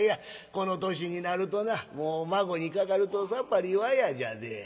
この年になるとなもう孫にかかるとさっぱりわやじゃで。